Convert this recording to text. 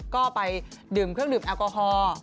ก็ไปดื่มเครื่องดื่มแอลกอฮอล์